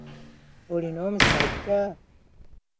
Olina omusajja?